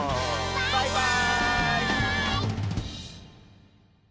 バイバーイ！